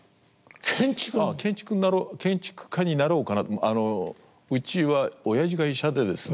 建築家になろうかなとあのうちはおやじが医者でですね。